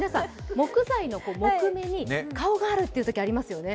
木材の木目に顔があるってときありますよね。